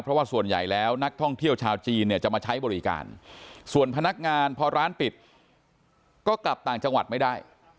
เพราะว่าส่วนใหญ่แล้วนักท่องเที่ยวชาวจีนเนี่ยจะมาใช้บริการส่วนพนักงานพอร้านปิดก็กลับต่างจังหวัดไม่ได้